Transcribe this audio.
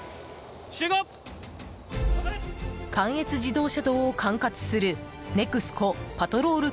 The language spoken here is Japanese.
関越自動車道を管轄するネクスコ・パトロール